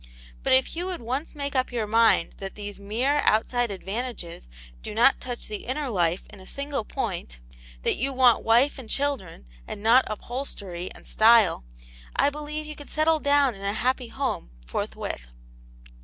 But if you would once make up your mind that these mere outside advantages do not touch the inner life in a single point; that you want wife and children, and not upholstery and style, I believe you could settle down in a happy home forthwith."